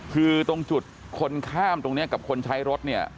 คือตรงจุดคนข้ามตรงนี้กับคนใช้รถเนี่ย